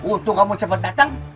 untuk kamu cepet datang